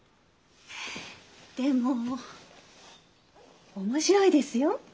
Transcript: でも面白いですよ